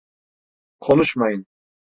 Konuşmayın!